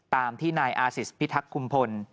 ตามที่นายอาศิษฐพิทักษ์คุมพล